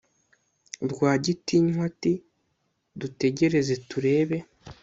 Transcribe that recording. rwagitinywa ati"dutegereze turebe"